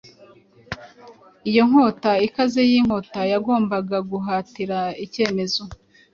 Iyo nkota ikaze yinkota yagombaga guhatira icyemezo